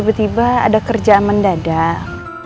mama tuh tiba tiba ada kerja mendadak